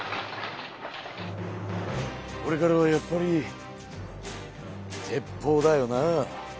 これからはやっぱり鉄砲だよな。